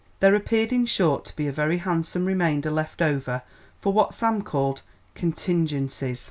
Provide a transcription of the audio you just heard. There appeared, in short, to be a very handsome remainder left over for what Sam called "contingencies."